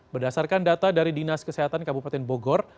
berdasarkan data dari dinas kesehatan kabupaten bogor